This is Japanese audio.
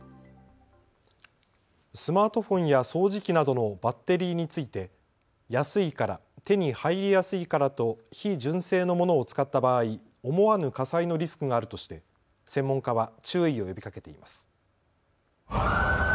スマートフォンや掃除機などのバッテリーについて安いから、手に入りやすいからと非純正のものを使った場合、思わぬ火災のリスクがあるとして専門家は注意を呼びかけています。